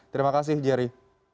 terima kasih jerry